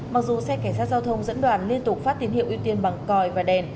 mặc dù xe cảnh sát giao thông dẫn đoàn liên tục phát tín hiệu ưu tiên bằng còi và đèn